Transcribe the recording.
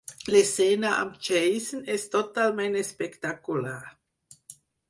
L'escena amb Jason és totalment espectacular.